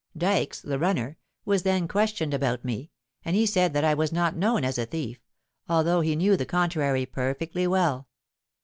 Dykes, the runner, was then questioned about me; and he said that I was not known as a thief—although he knew the contrary perfectly well.